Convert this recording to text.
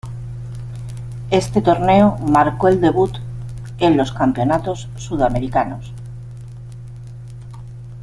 Este torneo marcó el debut de en los campeonatos sudamericanos.